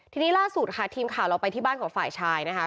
ทีนี้ล่าสุดค่ะทีมข่าวเราไปที่บ้านของฝ่ายชายนะคะ